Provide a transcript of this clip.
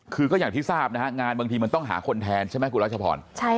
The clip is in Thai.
คือก็อย่างที่ทราบนะฮะงานบางทีมันต้องหาคนแทนใช่ไหมคุณรัชพร